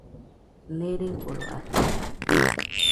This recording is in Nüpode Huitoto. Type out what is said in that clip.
Neereforo atɨ